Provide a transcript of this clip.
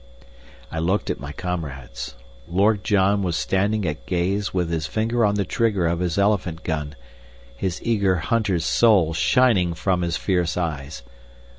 I looked at my comrades. Lord John was standing at gaze with his finger on the trigger of his elephant gun, his eager hunter's soul shining from his fierce eyes.